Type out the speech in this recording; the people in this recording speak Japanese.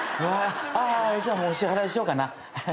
うわあじゃあもう支払いしようかな。